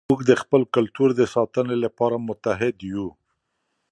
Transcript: موږ د خپل کلتور د ساتنې لپاره متحد یو.